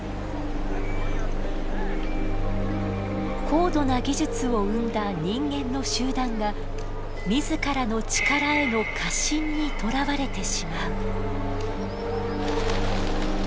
高度な技術を生んだ人間の集団が自らの力への過信にとらわれてしまう。